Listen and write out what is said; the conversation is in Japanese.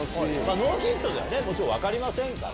ノーヒントじゃもちろん分かりませんから。